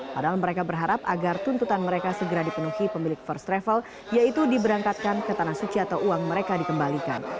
padahal mereka berharap agar tuntutan mereka segera dipenuhi pemilik first travel yaitu diberangkatkan ke tanah suci atau uang mereka dikembalikan